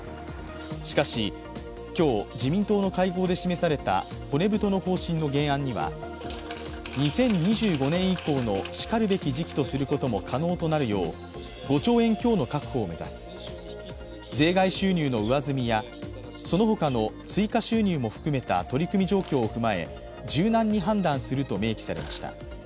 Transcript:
しかし、今日、自民党の会合で示された骨太の方針の原案には２０２５年以降のしかるべき時期とすることも可能となるよう５兆円強の確保を目指す、税外収入の上積みや、その他の追加収入も含めた取り組み状況を踏まえ、柔軟に判断すると明記されました。